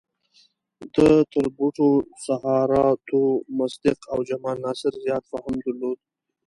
ده تر بوټو، سوهارتو، مصدق او جمال ناصر زیات فهم درلود.